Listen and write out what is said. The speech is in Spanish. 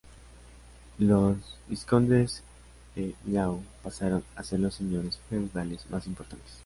Los vizcondes de Millau pasaron a ser los señores feudales más importantes.